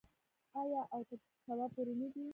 آیا او تر سبا پورې نه دی؟